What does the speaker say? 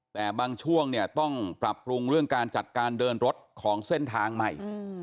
แต่บางช่วงเนี่ยต้องปรับปรุงเรื่องการจัดการเดินรถของเส้นทางใหม่